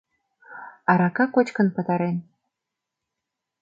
Арака кочкын пытарен.